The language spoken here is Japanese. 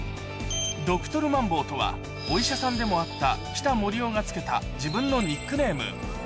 どくとるマンボウとはお医者さんでもあった北杜夫が付けた、自分のニックネーム。